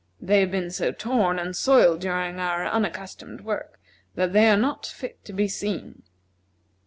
They have been so torn and soiled during our unaccustomed work that they are not fit to be seen."